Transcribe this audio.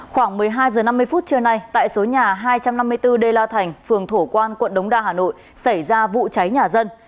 khoảng một mươi hai h năm mươi phút trưa nay tại số nhà hai trăm năm mươi bốn đê la thành phường thổ quan quận đống đa hà nội xảy ra vụ cháy nhà dân